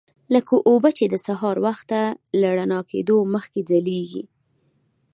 لکه اوبه چې سهار وختي له رڼا کېدو مخکې ځلیږي.